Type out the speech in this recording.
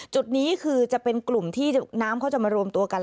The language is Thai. จุดนี้คือจะเป็นกลุ่มที่น้ำเขาจะมารวมตัวกัน